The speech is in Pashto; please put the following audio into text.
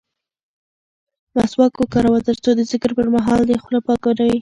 مسواک وکاروه ترڅو د ذکر پر مهال دې خوله پاکه وي.